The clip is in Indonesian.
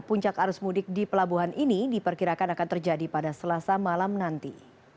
puncak arus mudik di pelabuhan ini diperkirakan akan terjadi pada selasa malam nanti